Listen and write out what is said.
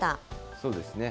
そうですね。